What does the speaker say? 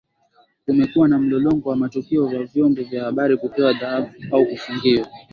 Kumekuwa na mlolongo wa matukio ya vyombo vya habari kupewa adhabu au kufungiwa